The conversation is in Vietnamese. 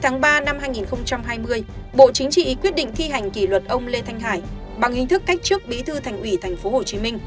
ngày hai mươi tháng ba năm hai nghìn hai mươi bộ chính trị quyết định thi hành kỷ luật ông lê thanh hải bằng hình thức cách trước bí thư thành ủy tp hcm